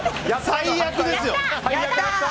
最悪ですよ。